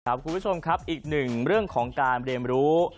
คุณผู้ชมครับอีกหนึ่งเรื่องของการเรียนรู้